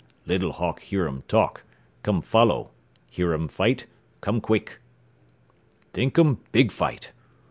Little Hawk hearum talk, come follow, hearum fight, come quick. "Thinkum big fight.